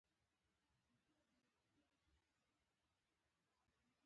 غوړې د بدن لپاره یو اړین غذایي جز دی.